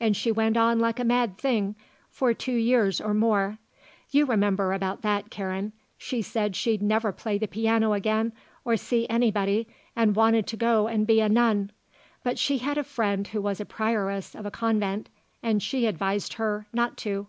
And she went on like a mad thing for two years or more. You remember about that, Karen. She said she'd never play the piano again or see anybody and wanted to go and be a nun. But she had a friend who was a prioress of a convent, and she advised her not to.